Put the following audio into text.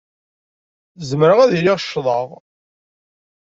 Zemreɣ ad iliɣ ccḍeɣ.